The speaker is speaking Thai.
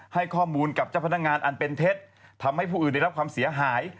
ให้ข้อมูลกับเจ้าพนักงานอันเป็นเท็จทำให้ผู้อื่นได้รับความเสียหาย